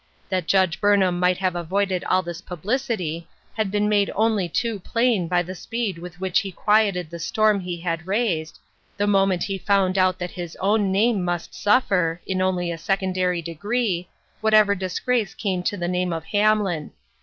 That Judge Burnham might have avoided all this publicity, had been made only too plain by the speed with which he quieted the storm he had raised, the moment he found that STORMY WEATHER. 225 his own name must suffer — in only a secondary degree — whatever disgrace came to the name of Hamlin.